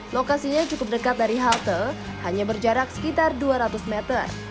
lokasinya cukup dekat dari halte hanya berjarak sekitar dua ratus meter